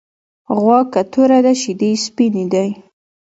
غوا که توره ده شيدې یی سپيني دی .